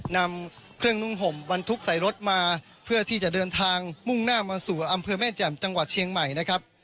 นำเครื่องนุ่งห่มบรรทุกใส่รถมาเพื่อที่จะเดินทางมุ่งหน้ามาสู่อำเภอแม่แจ่มจังหวัดเชียงใหม่นะครับ